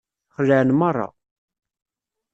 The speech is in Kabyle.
Xelεen merra.